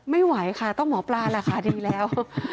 ไม่ไหวค่ะต้องหมอปลาราคาดีแล้ว